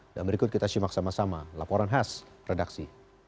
dan berikut kita simak sama sama laporan khas redaksi